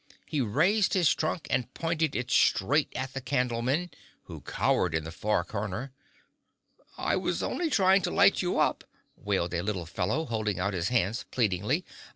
He raised his trunk and pointed it straight at the Candlemen, who cowered in the far corner. "I was only trying to light you up," wailed a little fellow, holding out his hands pleadingly.